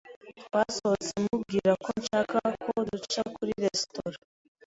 Twasohotse mubwira ko nshaka ko duca kuri restaurant,